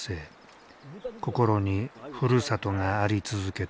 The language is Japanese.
心にふるさとがあり続けた。